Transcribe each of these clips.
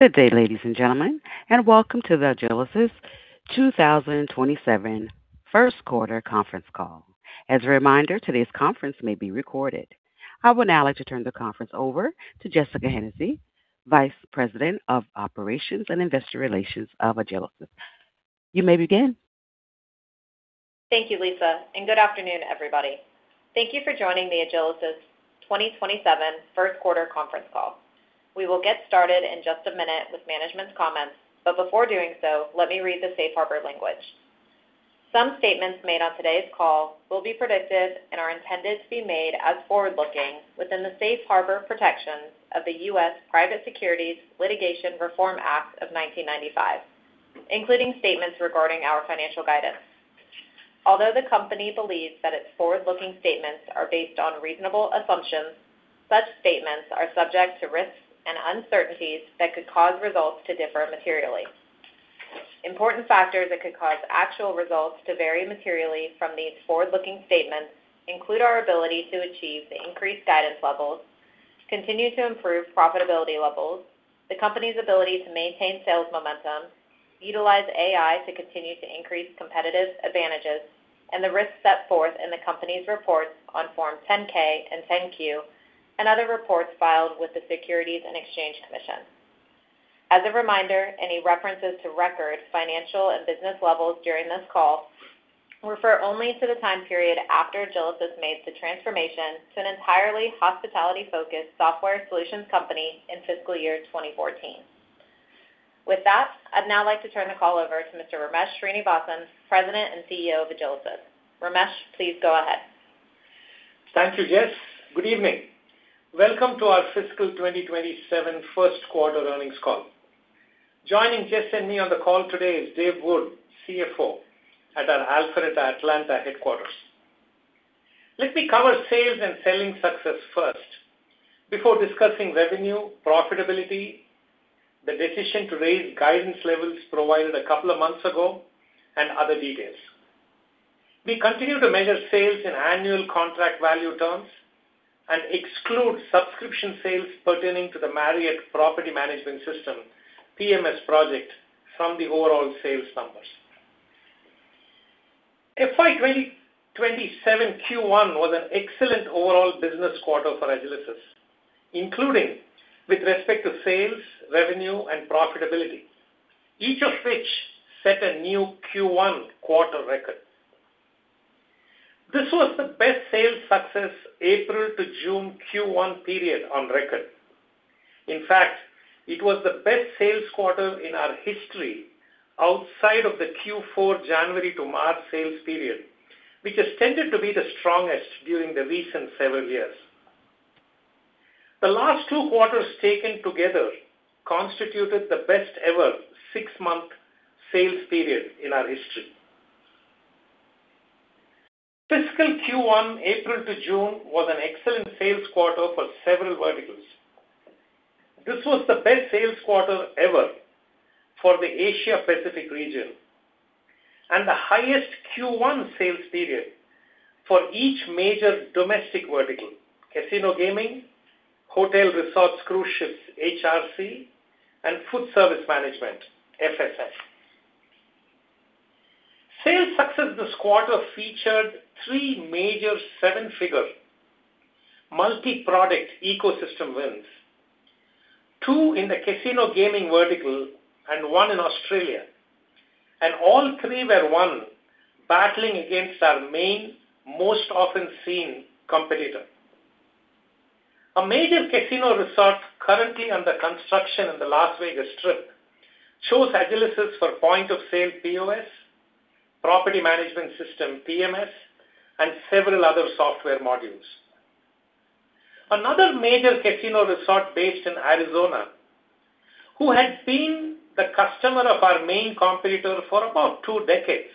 Good day, ladies and gentlemen, welcome to the Agilysys 2027 first quarter conference call. As a reminder, today's conference may be recorded. I would now like to turn the conference over to Jessica Hennessy, Vice President of Operations and Investor Relations of Agilysys. You may begin. Thank you, Lisa, good afternoon, everybody. Thank you for joining the Agilysys 2027 first quarter conference call. We will get started in just a minute with management's comments, but before doing so, let me read the safe harbor language. Some statements made on today's call will be predictive and are intended to be made as forward-looking within the safe harbor protections of the U.S. Private Securities Litigation Reform Act of 1995, including statements regarding our financial guidance. Although the company believes that its forward-looking statements are based on reasonable assumptions, such statements are subject to risks and uncertainties that could cause results to differ materially. Important factors that could cause actual results to vary materially from these forward-looking statements include our ability to achieve the increased guidance levels, continue to improve profitability levels, the company's ability to maintain sales momentum, utilize AI to continue to increase competitive advantages, and the risks set forth in the company's reports on Form 10-K and 10-Q, and other reports filed with the Securities and Exchange Commission. As a reminder, any references to record financial and business levels during this call refer only to the time period after Agilysys made the transformation to an entirely hospitality-focused software solutions company in fiscal year 2014. With that, I'd now like to turn the call over to Mr. Ramesh Srinivasan, President and CEO of Agilysys. Ramesh, please go ahead. Thank you, Jess. Good evening. Welcome to our fiscal 2027 first quarter earnings call. Joining Jess and me on the call today is Dave Wood, CFO at our Alpharetta Atlanta headquarters. Let me cover sales and selling success first before discussing revenue, profitability, the decision to raise guidance levels provided a couple of months ago, and other details. We continue to measure sales in annual contract value terms and exclude subscription sales pertaining to the Marriott property management system, PMS project, from the overall sales numbers. FY 2027 Q1 was an excellent overall business quarter for Agilysys, including with respect to sales, revenue, and profitability, each of which set a new Q1 quarter record. This was the best sales success April to June Q1 period on record. In fact, it was the best sales quarter in our history outside of the Q4 January to March sales period, which has tended to be the strongest during the recent several years. The last two quarters taken together constituted the best ever six-month sales period in our history. Fiscal Q1, April to June, was an excellent sales quarter for several verticals. This was the best sales quarter ever for the Asia Pacific region and the highest Q1 sales period for each major domestic vertical, casino gaming, hotel resorts cruise ships, HRC, and food service management, FSS. Sales success this quarter featured three major seven-figure multi-product ecosystem wins, two in the casino gaming vertical and one in Australia. All three were won battling against our main most often seen competitor. A major casino resort currently under construction in the Las Vegas Strip chose Agilysys for point-of-sale, POS, property management system, PMS, and several other software modules. Another major casino resort based in Arizona, who had been the customer of our main competitor for about two decades,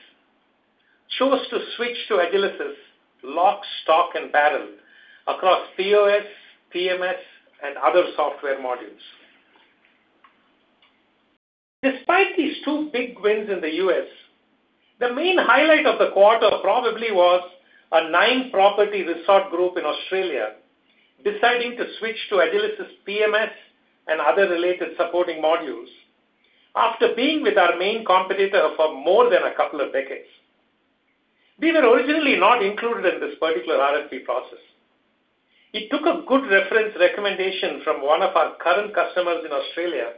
chose to switch to Agilysys lock, stock, and barrel across POS, PMS, and other software modules. Despite these two big wins in the U.S., the main highlight of the quarter probably was a nine-property resort group in Australia deciding to switch to Agilysys PMS and other related supporting modules after being with our main competitor for more than a couple of decades. We were originally not included in this particular RFP process. It took a good reference recommendation from one of our current customers in Australia,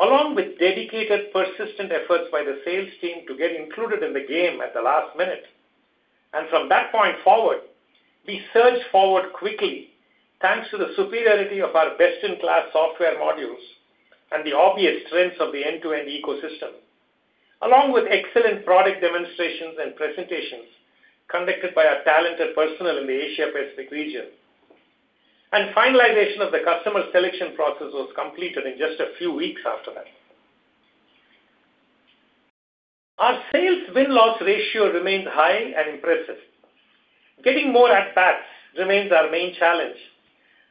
along with dedicated, persistent efforts by the sales team to get included in the game at the last minute. From that point forward, we surged forward quickly, thanks to the superiority of our best-in-class software modules and the obvious strengths of the end-to-end ecosystem, along with excellent product demonstrations and presentations conducted by our talented personnel in the Asia Pacific region. Finalization of the customer selection process was completed in just a few weeks after that. Our sales win-loss ratio remains high and impressive. Getting more at bats remains our main challenge,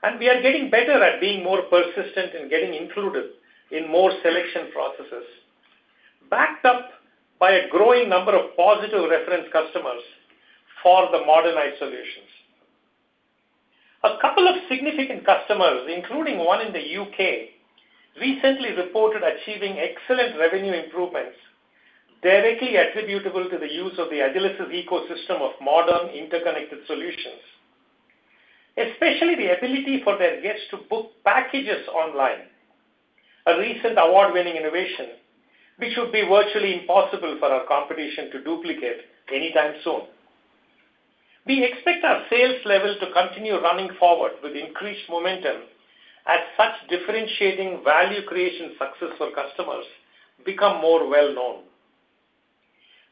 and we are getting better at being more persistent in getting included in more selection processes, backed up by a growing number of positive reference customers for the modernized solutions. A couple of significant customers, including one in the U.K., recently reported achieving excellent revenue improvements directly attributable to the use of the Agilysys ecosystem of modern, interconnected solutions, especially the ability for their guests to book packages online, a recent award-winning innovation, which would be virtually impossible for our competition to duplicate anytime soon. We expect our sales levels to continue running forward with increased momentum as such differentiating value creation success for customers become more well-known.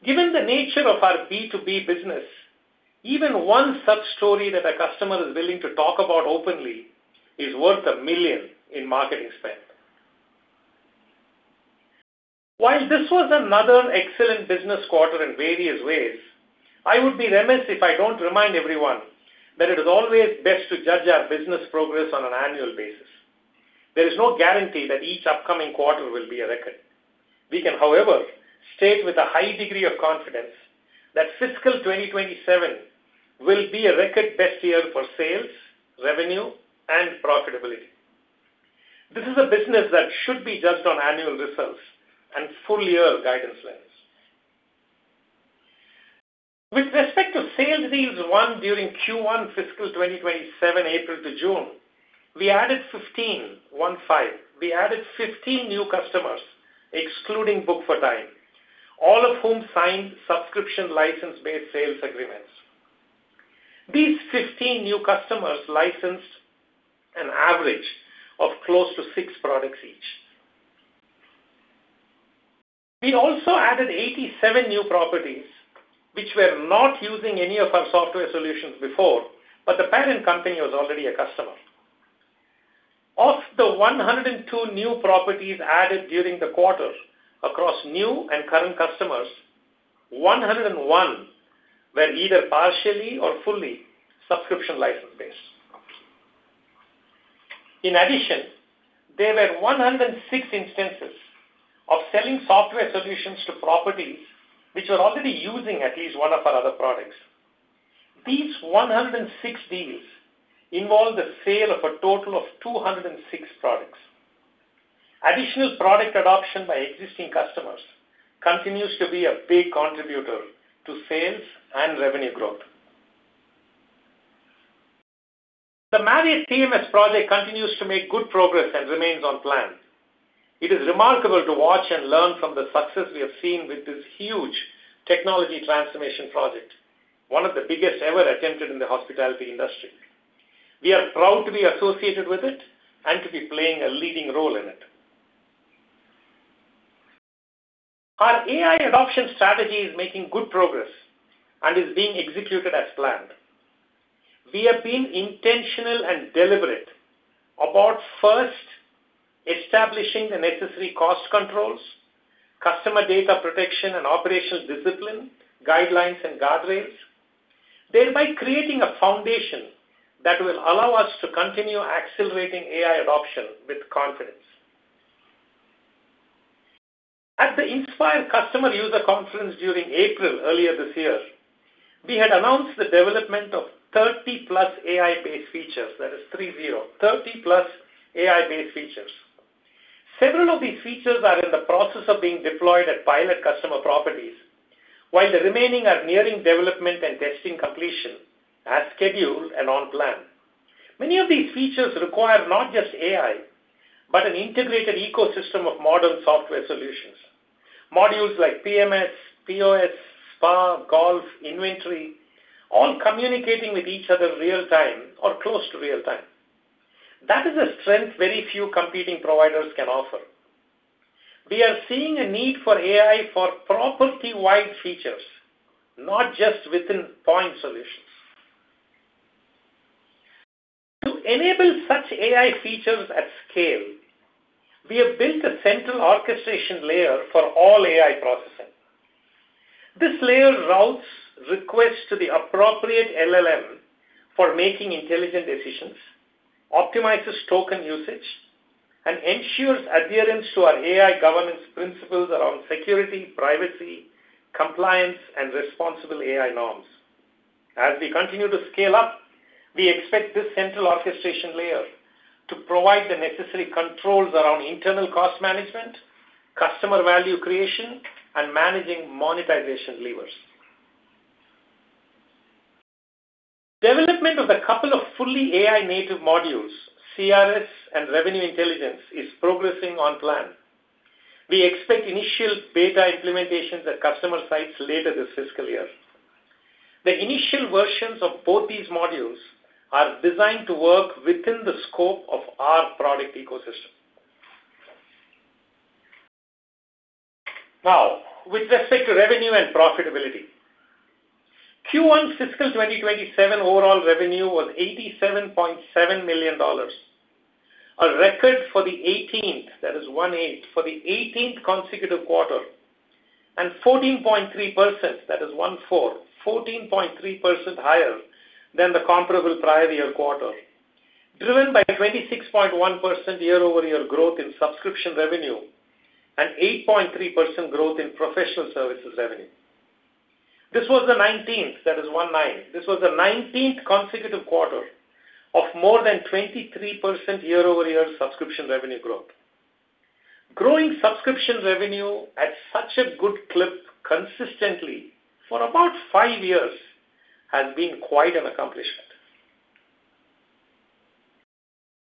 Given the nature of our B2B business, even one such story that a customer is willing to talk about openly is worth a million in marketing spend. While this was another excellent business quarter in various ways, I would be remiss if I don't remind everyone that it is always best to judge our business progress on an annual basis. There is no guarantee that each upcoming quarter will be a record. We can, however, state with a high degree of confidence that fiscal 2027 will be a record best year for sales, revenue, and profitability. This is a business that should be judged on annual results and full-year guidance levels. With respect to sales deals won during Q1 fiscal 2027, April to June, we added 15. We added 15 new customers, excluding Book4Time, all of whom signed subscription license-based sales agreements. These 15 new customers licensed an average of close to six products each. We also added 87 new properties, which were not using any of our software solutions before, but the parent company was already a customer. Of the 102 new properties added during the quarter across new and current customers, 101 were either partially or fully subscription license-based. In addition, there were 106 instances of selling software solutions to properties which were already using at least one of our other products. These 106 deals involve the sale of a total of 206 products. Additional product adoption by existing customers continues to be a big contributor to sales and revenue growth. The Marriott TMS project continues to make good progress and remains on plan. It is remarkable to watch and learn from the success we have seen with this huge technology transformation project, one of the biggest ever attempted in the hospitality industry. We are proud to be associated with it and to be playing a leading role in it. Our AI adoption strategy is making good progress and is being executed as planned. We have been intentional and deliberate about first establishing the necessary cost controls, customer data protection and operational discipline, guidelines, and guardrails, thereby creating a foundation that will allow us to continue accelerating AI adoption with confidence. At the Inspire customer user conference during April, earlier this year, we had announced the development of 30+ AI-based features. That is 30. 30+ AI-based features. Several of these features are in the process of being deployed at pilot customer properties, while the remaining are nearing development and testing completion, as scheduled and on plan. Many of these features require not just AI, but an integrated ecosystem of modern software solutions. Modules like PMS, POS, spa, golf, inventory, all communicating with each other real-time or close to real-time. That is a strength very few competing providers can offer. We are seeing a need for AI for property-wide features, not just within point solutions. To enable such AI features at scale, we have built a central orchestration layer for all AI processing. This layer routes requests to the appropriate LLM for making intelligent decisions, optimizes token usage, and ensures adherence to our AI governance principles around security, privacy, compliance, and responsible AI norms. As we continue to scale up, we expect this central orchestration layer to provide the necessary controls around internal cost management, customer value creation, and managing monetization levers. Development of the couple of fully AI-native modules, CRS and Revenue Intelligence, is progressing on plan. We expect initial beta implementations at customer sites later this fiscal year. The initial versions of both these modules are designed to work within the scope of our product ecosystem. With respect to revenue and profitability, Q1 fiscal 2027 overall revenue was $87.7 million. A record for the 18th consecutive quarter and 14.3% higher than the comparable prior year quarter, driven by 26.1% year-over-year growth in subscription revenue and 8.3% growth in professional services revenue. This was the 19th consecutive quarter of more than 23% year-over-year subscription revenue growth. Growing subscription revenue at such a good clip consistently for about five years has been quite an accomplishment.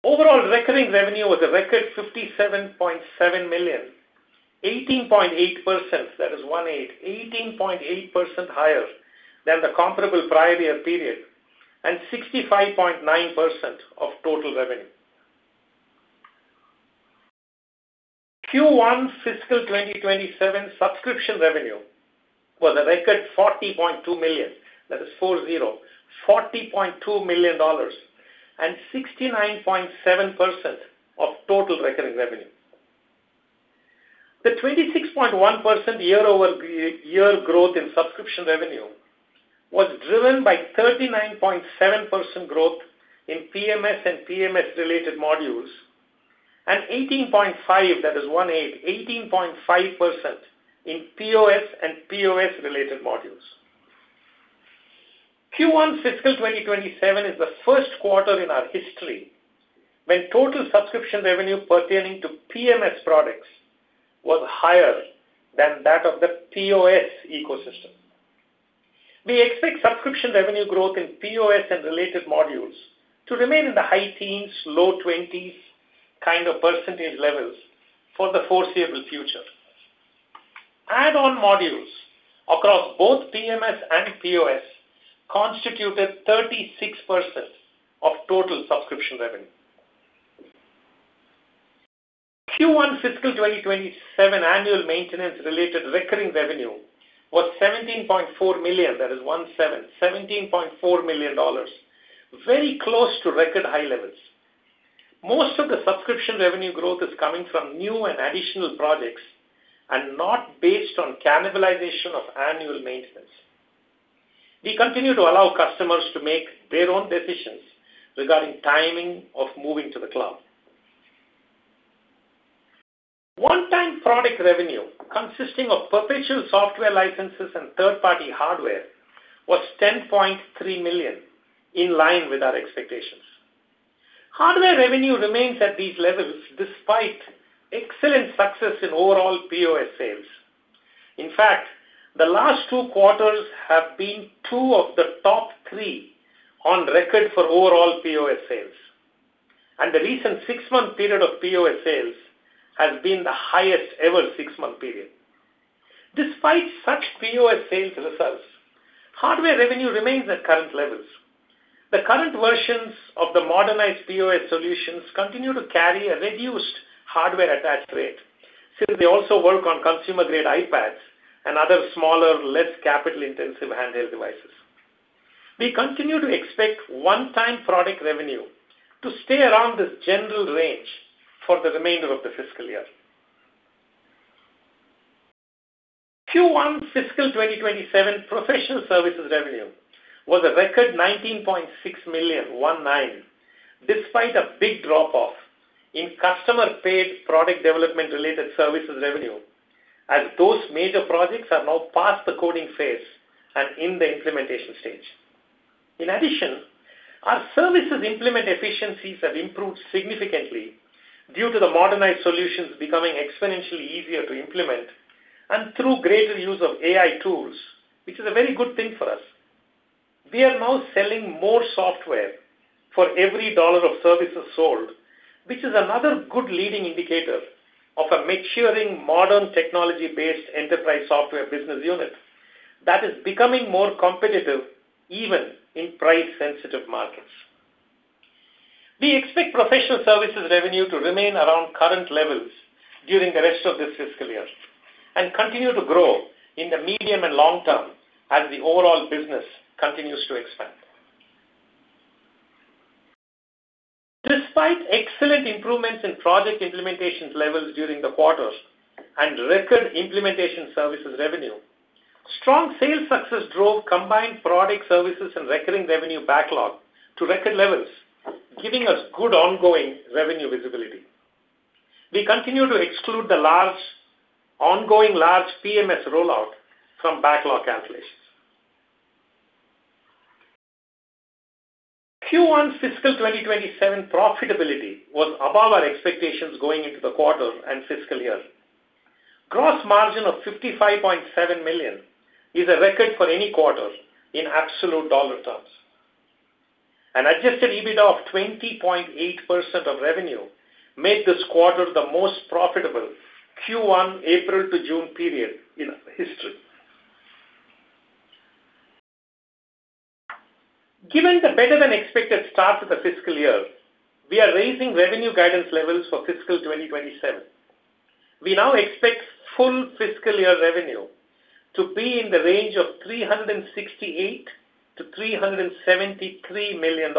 Overall recurring revenue was a record $57.7 million, 18.8% higher than the comparable prior year period and 65.9% of total revenue. Q1 fiscal 2027 subscription revenue was a record $40.2 million and 69.7% of total recurring revenue. The 26.1% year-over-year growth in subscription revenue was driven by 39.7% growth in PMS and PMS-related modules and 18.5% in POS and POS-related modules. Q1 fiscal 2027 is the first quarter in our history when total subscription revenue pertaining to PMS products was higher than that of the POS ecosystem. We expect subscription revenue growth in POS and related modules to remain in the high teens, low 20s kind of percentage levels for the foreseeable future. Add-on modules across both PMS and POS constituted 36% of total subscription revenue. Q1 fiscal 2027 annual maintenance-related recurring revenue was $17.4 million, very close to record high levels. Most of the subscription revenue growth is coming from new and additional projects and not based on cannibalization of annual maintenance. We continue to allow customers to make their own decisions regarding timing of moving to the cloud. One-time product revenue consisting of perpetual software licenses and third-party hardware was $10.3 million, in line with our expectations. Hardware revenue remains at these levels despite excellent success in overall POS sales. In fact, the last two quarters have been two of the top three on record for overall POS sales, and the recent six-month period of POS sales has been the highest ever six-month period. Despite such POS sales results, hardware revenue remains at current levels. The current versions of the modernized POS solutions continue to carry a reduced hardware attach rate, since they also work on consumer-grade iPads and other smaller, less capital-intensive handheld devices. We continue to expect one-time product revenue to stay around this general range for the remainder of the fiscal year. Q1 fiscal 2027 professional services revenue was a record $19.6 million, despite a big drop-off in customer-paid product development related services revenue, as those major projects are now past the coding phase and in the implementation stage. In addition, our services implement efficiencies have improved significantly due to the modernized solutions becoming exponentially easier to implement and through greater use of AI tools, which is a very good thing for us. We are now selling more software for every dollar of services sold, which is another good leading indicator of a maturing modern technology-based enterprise software business unit that is becoming more competitive even in price-sensitive markets. We expect professional services revenue to remain around current levels during the rest of this fiscal year and continue to grow in the medium and long term as the overall business continues to expand. Despite excellent improvements in project implementations levels during the quarter and record implementation services revenue, strong sales success drove combined product services and recurring revenue backlog to record levels, giving us good ongoing revenue visibility. We continue to exclude the ongoing large PMS rollout from backlog calculations. Q1 fiscal 2027 profitability was above our expectations going into the quarter and fiscal year. Gross margin of $55.7 million is a record for any quarter in absolute dollar terms. An adjusted EBITDA of 20.8% of revenue made this quarter the most profitable Q1 April to June period in history. Given the better-than-expected start to the fiscal year, we are raising revenue guidance levels for fiscal 2027. We now expect full fiscal year revenue to be in the range of $368 million-$373 million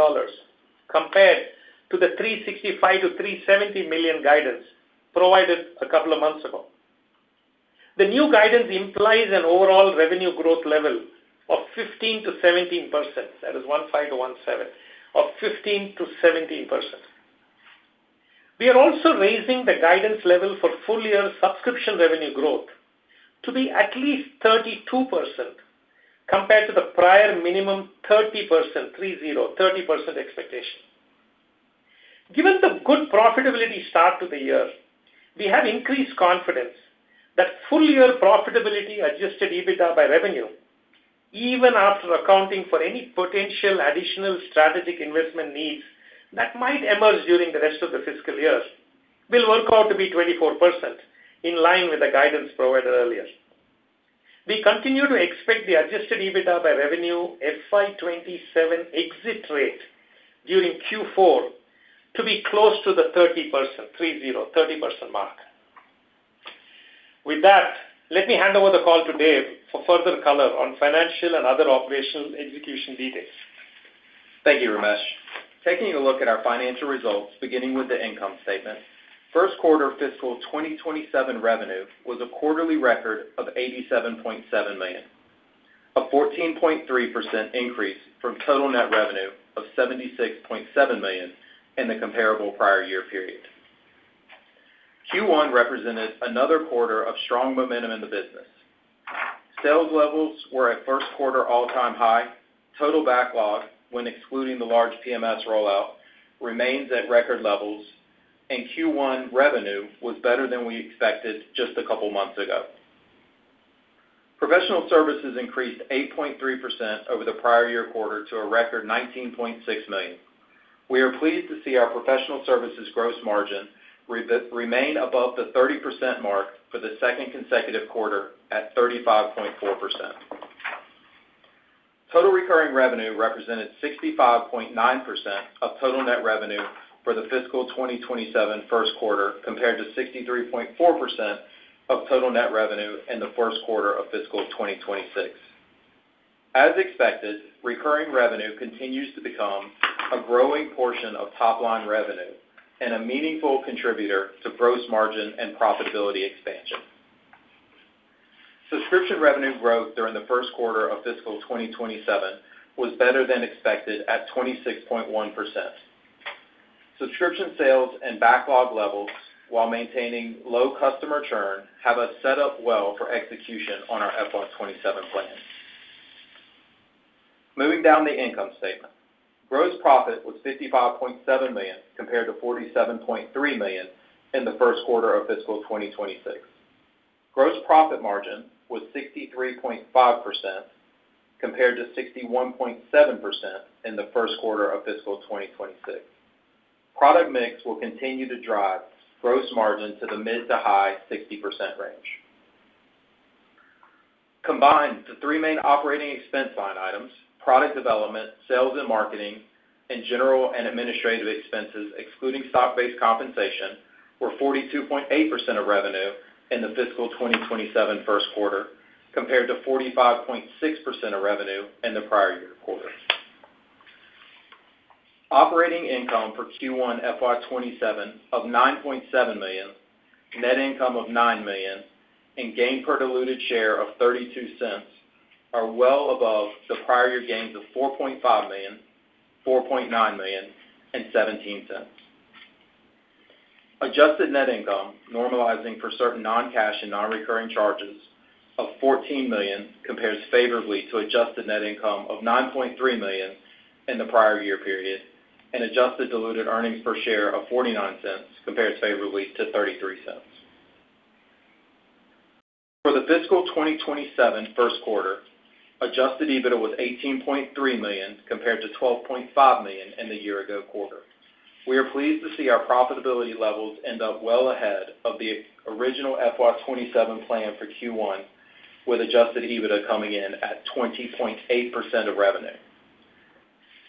compared to the $365 million-$370 million guidance provided a couple of months ago. The new guidance implies an overall revenue growth level of 15%-17%. That is one-five to one-seven. Of 15%-17%. We are also raising the guidance level for full year subscription revenue growth to be at least 32% compared to the prior minimum 30% expectation. Given the good profitability start to the year, we have increased confidence that full year profitability adjusted EBITDA by revenue, even after accounting for any potential additional strategic investment needs that might emerge during the rest of the fiscal years, will work out to be 24%, in line with the guidance provided earlier. We continue to expect the adjusted EBITDA by revenue FY 2027 exit rate during Q4 to be close to the 30% mark. With that, let me hand over the call to Dave for further color on financial and other operational execution details. Thank you, Ramesh. Taking a look at our financial results, beginning with the income statement. First quarter fiscal 2027 revenue was a quarterly record of $87.7 million, a 14.3% increase from total net revenue of $76.7 million in the comparable prior year period. Q1 represented another quarter of strong momentum in the business. Sales levels were at first quarter all-time high. Total backlog, when excluding the large PMS rollout, remains at record levels, and Q1 revenue was better than we expected just a couple of months ago. Professional services increased 8.3% over the prior year quarter to a record $19.6 million. We are pleased to see our professional services gross margin remain above the 30% mark for the second consecutive quarter at 35.4%. Total recurring revenue represented 65.9% of total net revenue for the fiscal 2027 first quarter, compared to 63.4% of total net revenue in the first quarter of fiscal 2026. As expected, recurring revenue continues to become a growing portion of top-line revenue and a meaningful contributor to gross margin and profitability expansion. Subscription revenue growth during the first quarter of fiscal 2027 was better than expected at 26.1%. Subscription sales and backlog levels, while maintaining low customer churn, have us set up well for execution on our FY 2027 plan. Moving down the income statement. Gross profit was $55.7 million compared to $47.3 million in the first quarter of fiscal 2026. Gross profit margin was 63.5% compared to 61.7% in the first quarter of fiscal 2026. Product mix will continue to drive gross margin to the mid to high 60% range. Combined to three main operating expense line items, product development, sales and marketing, and general and administrative expenses excluding stock-based compensation were 42.8% of revenue in the fiscal 2027 first quarter, compared to 45.6% of revenue in the prior year quarter. Operating income for Q1 FY 2027 of $9.7 million, net income of $9 million, and gain per diluted share of $0.32 are well above the prior year gains of $4.5 million, $4.9 million, and $0.17. Adjusted net income normalizing for certain non-cash and non-recurring charges of $14 million compares favorably to adjusted net income of $9.3 million in the prior year period, and adjusted diluted earnings per share of $0.49 compares favorably to $0.33. For the fiscal 2027 first quarter, adjusted EBITDA was $18.3 million compared to $12.5 million in the year ago quarter. We are pleased to see our profitability levels end up well ahead of the original FY 2027 plan for Q1, with adjusted EBITDA coming in at 20.8% of revenue.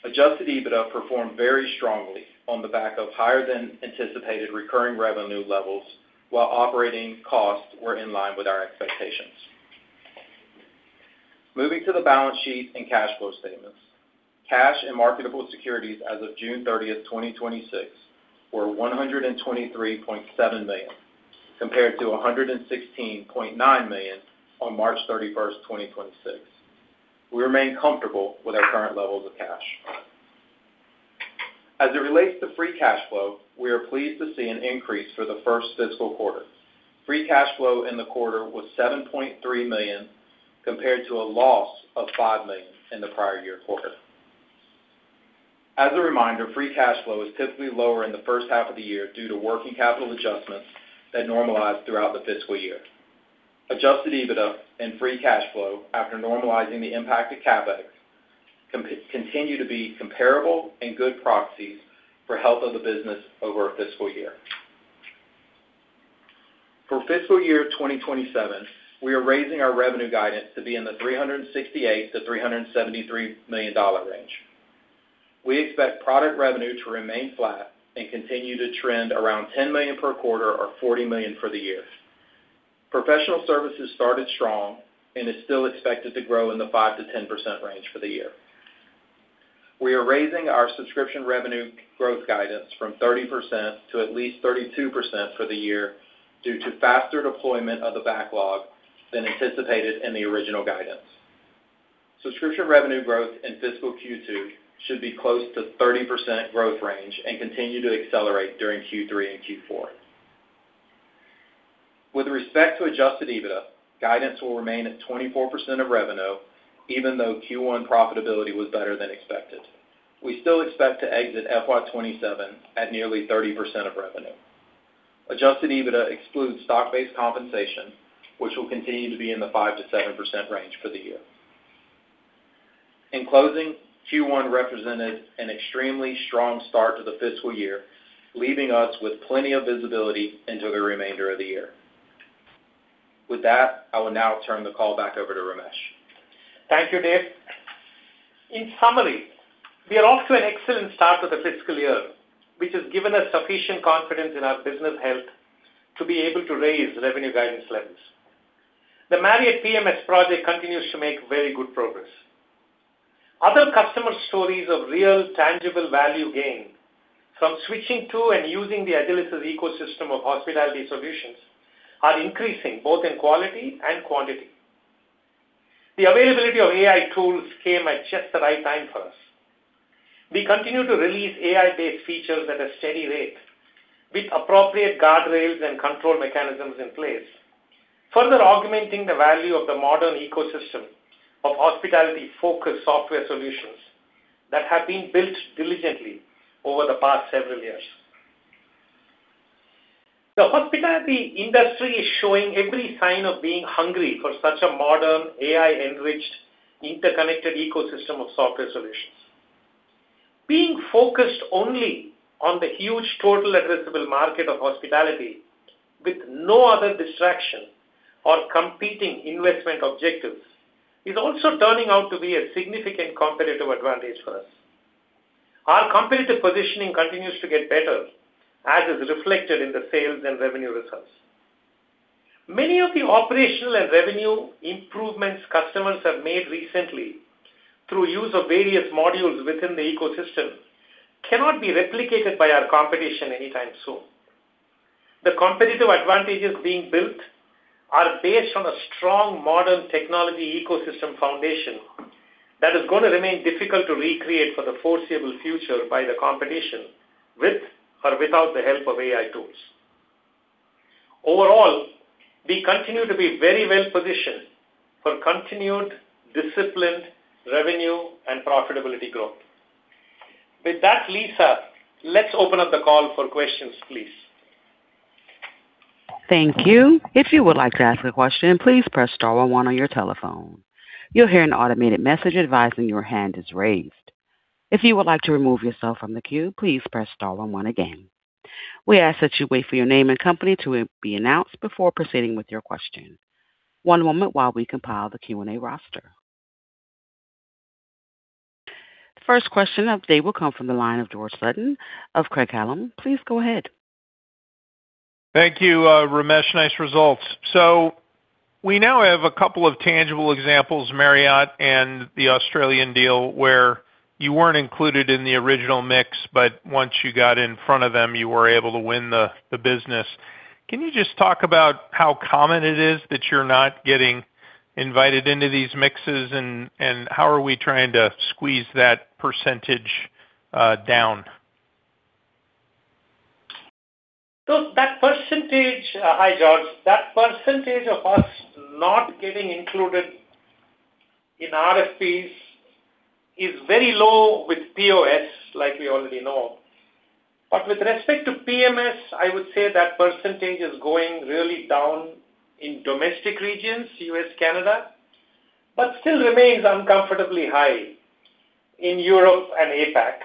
Adjusted EBITDA performed very strongly on the back of higher than anticipated recurring revenue levels while operating costs were in line with our expectations. Moving to the balance sheet and cash flow statements. Cash and marketable securities as of June 30th, 2026 were $123.7 million, compared to $116.9 million on March 31st, 2026. We remain comfortable with our current levels of cash. As it relates to free cash flow, we are pleased to see an increase for the first fiscal quarter. Free cash flow in the quarter was $7.3 million, compared to a loss of $5 million in the prior year quarter. As a reminder, free cash flow is typically lower in the first half of the year due to working capital adjustments that normalize throughout the fiscal year. Adjusted EBITDA and free cash flow, after normalizing the impact of CapEx, continue to be comparable and good proxies for health of the business over a fiscal year. For fiscal year 2027, we are raising our revenue guidance to be in the $368 million-$373 million range. We expect product revenue to remain flat and continue to trend around $10 million per quarter or $40 million for the year. Professional services started strong and is still expected to grow in the 5%-10% range for the year. We are raising our subscription revenue growth guidance from 30% to at least 32% for the year due to faster deployment of the backlog than anticipated in the original guidance. Subscription revenue growth in fiscal Q2 should be close to 30% growth range and continue to accelerate during Q3 and Q4. With respect to adjusted EBITDA, guidance will remain at 24% of revenue, even though Q1 profitability was better than expected. We still expect to exit FY 2027 at nearly 30% of revenue. Adjusted EBITDA excludes stock-based compensation, which will continue to be in the 5%-7% range for the year. In closing, Q1 represented an extremely strong start to the fiscal year, leaving us with plenty of visibility into the remainder of the year. With that, I will now turn the call back over to Ramesh. Thank you, Dave. In summary, we are off to an excellent start to the fiscal year, which has given us sufficient confidence in our business health to be able to raise revenue guidance levels. The Marriott PMS project continues to make very good progress. Other customer stories of real, tangible value gain from switching to and using the Agilysys ecosystem of hospitality solutions are increasing both in quality and quantity. The availability of AI tools came at just the right time for us. We continue to release AI-based features at a steady rate, with appropriate guardrails and control mechanisms in place, further augmenting the value of the modern ecosystem of hospitality-focused software solutions that have been built diligently over the past several years. The hospitality industry is showing every sign of being hungry for such a modern, AI-enriched, interconnected ecosystem of software solutions. Being focused only on the huge total addressable market of hospitality, with no other distraction or competing investment objectives, is also turning out to be a significant competitive advantage for us. Our competitive positioning continues to get better, as is reflected in the sales and revenue results. Many of the operational and revenue improvements customers have made recently through use of various modules within the ecosystem cannot be replicated by our competition anytime soon. The competitive advantages being built are based on a strong modern technology ecosystem foundation that is going to remain difficult to recreate for the foreseeable future by the competition, with or without the help of AI tools. Overall, we continue to be very well-positioned for continued disciplined revenue and profitability growth. With that, Lisa, let's open up the call for questions, please. Thank you. If you would like to ask a question, please press star one on your telephone. You'll hear an automated message advising your hand is raised. If you would like to remove yourself from the queue, please press star one again. We ask that you wait for your name and company to be announced before proceeding with your question. One moment while we compile the Q&A roster. First question of the day will come from the line of George Sutton of Craig-Hallum. Please go ahead. Thank you, Ramesh. Nice results. We now have a couple of tangible examples, Marriott and the Australian deal, where you weren't included in the original mix, but once you got in front of them, you were able to win the business. Can you just talk about how common it is that you're not getting invited into these mixes, and how are we trying to squeeze that percentage down? Hi, George. That percentage of us not getting included in RFPs is very low with POS, like we already know. With respect to PMS, I would say that percentage is going really down in domestic regions, U.S., Canada, but still remains uncomfortably high in Europe and APAC.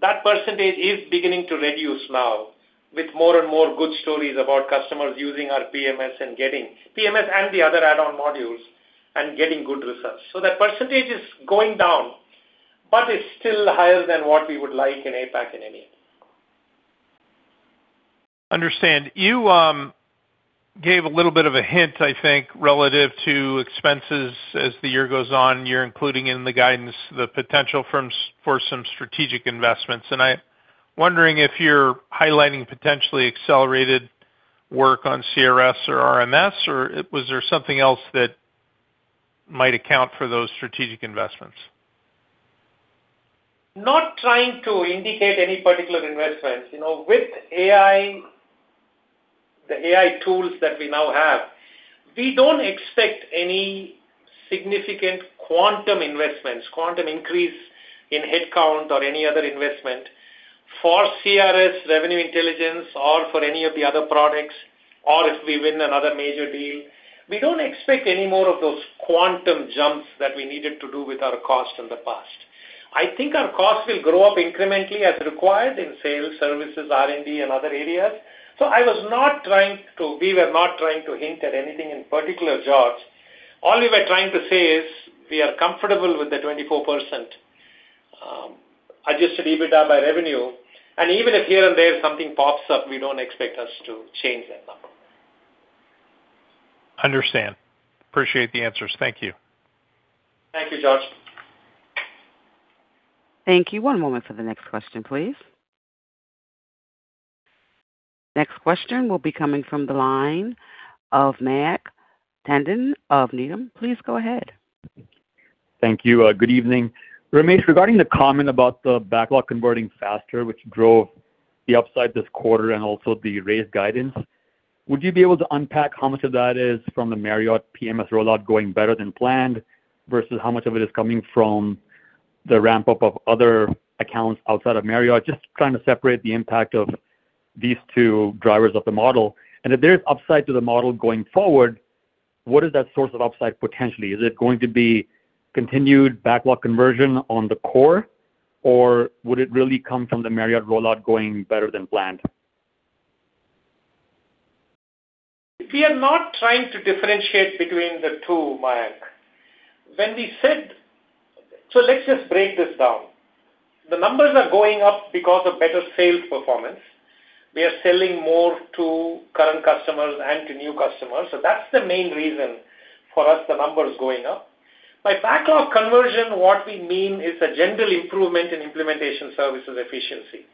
That percentage is beginning to reduce now with more and more good stories about customers using our PMS and the other add-on modules, and getting good results. That percentage is going down, but it's still higher than what we would like in APAC and EMEIA. Understand. You gave a little bit of a hint, I think, relative to expenses as the year goes on. You're including in the guidance the potential for some strategic investments, I'm wondering if you're highlighting potentially accelerated work on CRS or RMS, or was there something else that might account for those strategic investments? Not trying to indicate any particular investments. With the AI tools that we now have, we don't expect any significant quantum investments, quantum increase in headcount or any other investment for CRS, Revenue Intelligence, or for any of the other products, or if we win another major deal. We don't expect any more of those quantum jumps that we needed to do with our cost in the past. I think our cost will grow up incrementally as required in sales, services, R&D, and other areas. We were not trying to hint at anything in particular, George. All we were trying to say is we are comfortable with the 24% adjusted EBITDA by revenue, and even if here and there something pops up, we don't expect us to change that number. Understand. Appreciate the answers. Thank you. Thank you, George. Thank you. One moment for the next question, please. Next question will be coming from the line of Mayank Tandon of Needham. Please go ahead. Thank you. Good evening. Ramesh, regarding the comment about the backlog converting faster, which drove the upside this quarter and also the raised guidance, would you be able to unpack how much of that is from the Marriott PMS rollout going better than planned versus how much of it is coming from the ramp-up of other accounts outside of Marriott? Just trying to separate the impact of these two drivers of the model. If there is upside to the model going forward, what is that source of upside potentially? Is it going to be continued backlog conversion on the core, or would it really come from the Marriott rollout going better than planned? We are not trying to differentiate between the two, Mayank. Let's just break this down. The numbers are going up because of better sales performance. We are selling more to current customers and to new customers. That's the main reason for us, the numbers going up. By backlog conversion, what we mean is a general improvement in implementation services efficiency.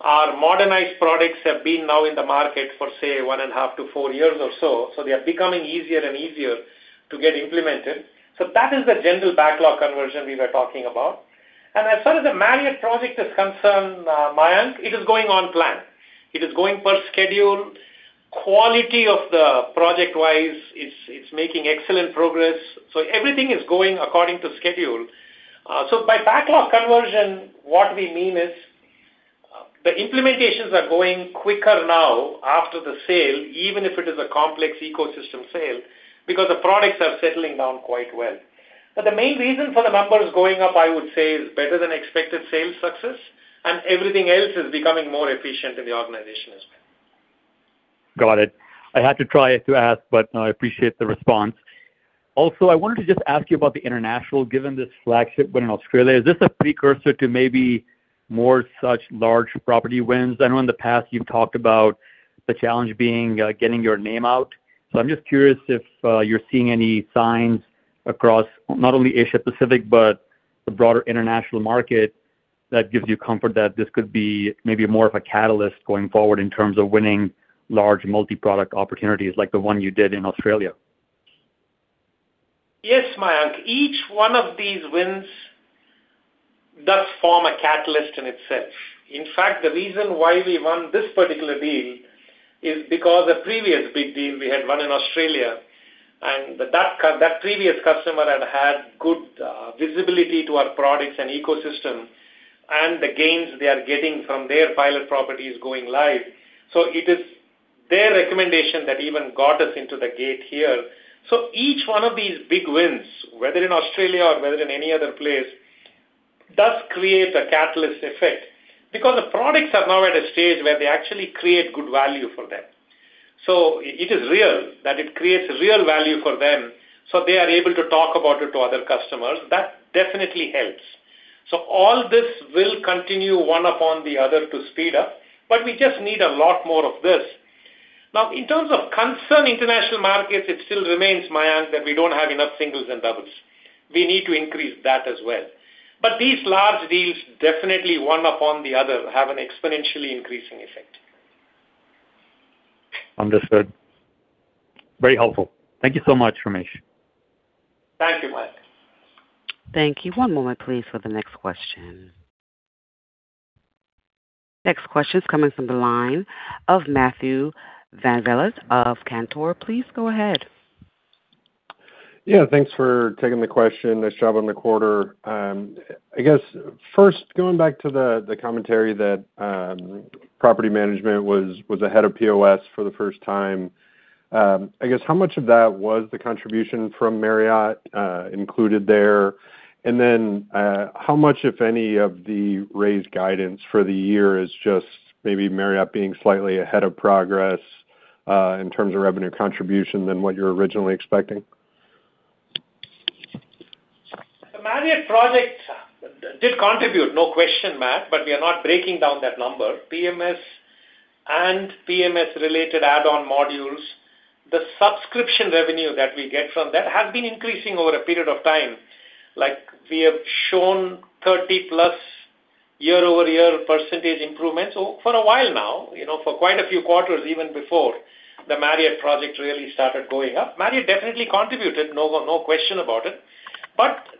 Our modernized products have been now in the market for, say, one and a half to four years or so. They are becoming easier and easier to get implemented. That is the general backlog conversion we were talking about. As far as the Marriott project is concerned, Mayank, it is going on plan. It is going per schedule. Quality of the project-wise, it's making excellent progress. Everything is going according to schedule. By backlog conversion, what we mean is, the implementations are going quicker now after the sale, even if it is a complex ecosystem sale, because the products are settling down quite well. The main reason for the numbers going up, I would say, is better than expected sales success, and everything else is becoming more efficient in the organization as well. Got it. I had to try to ask, I appreciate the response. I wanted to just ask you about the international, given this flagship win in Australia. Is this a precursor to maybe more such large property wins? I know in the past you've talked about the challenge being getting your name out. I'm just curious if you're seeing any signs across not only Asia Pacific, but the broader international market that gives you comfort that this could be maybe more of a catalyst going forward in terms of winning large multi-product opportunities like the one you did in Australia. Yes, Mayank. Each one of these wins does form a catalyst in itself. In fact, the reason why we won this particular deal is because the previous big deal we had won in Australia, and that previous customer had had good visibility to our products and ecosystem and the gains they are getting from their pilot properties going live. It is their recommendation that even got us into the gate here. Each one of these big wins, whether in Australia or whether in any other place, does create a catalyst effect because the products are now at a stage where they actually create good value for them. It is real, that it creates real value for them, they are able to talk about it to other customers. That definitely helps. All this will continue one upon the other to speed up, we just need a lot more of this. In terms of concerned international markets, it still remains, Mayank, that we don't have enough singles and doubles. We need to increase that as well. These large deals, definitely one upon the other, have an exponentially increasing effect. Understood. Very helpful. Thank you so much, Ramesh. Thank you, Mayank. Thank you. One moment please for the next question. Next question's coming from the line of Matthew VanVliet of Cantor. Please go ahead. Yeah, thanks for taking the question. Nice job on the quarter. I guess, first, going back to the commentary that property management was ahead of POS for the first time. I guess, how much of that was the contribution from Marriott included there? And then, how much, if any, of the raised guidance for the year is just maybe Marriott being slightly ahead of progress, in terms of revenue contribution, than what you were originally expecting? The Marriott project did contribute, no question, Matt. We are not breaking down that number. PMS and PMS-related add-on modules, the subscription revenue that we get from that has been increasing over a period of time. Like, we have shown 30%+ year-over-year percentage improvements for a while now, for quite a few quarters, even before the Marriott project really started going up. Marriott definitely contributed, no question about it.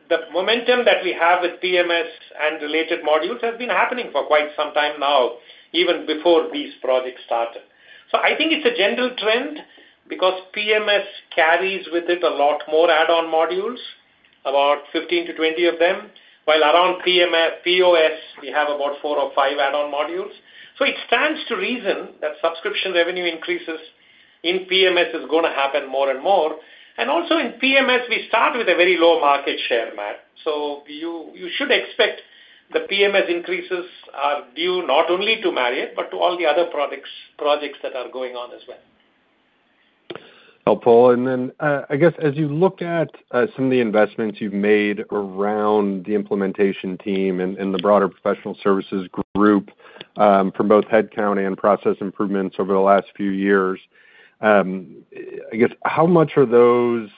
The momentum that we have with PMS and related modules has been happening for quite some time now, even before these projects started. I think it's a general trend because PMS carries with it a lot more add-on modules, about 15-20 of them, while around POS, we have about four or five add-on modules. It stands to reason that subscription revenue increases in PMS is going to happen more and more. Also in PMS, we start with a very low market share, Matt. You should expect the PMS increases are due not only to Marriott but to all the other projects that are going on as well. Helpful. I guess as you look at some of the investments you've made around the implementation team and the broader professional services group, from both headcount and process improvements over the last few years, I guess, how much are those